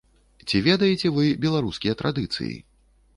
Ці ведаеце вы беларускія традыцыі?